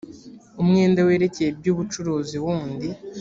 umwenda werekeye iby ubucuruzi wundi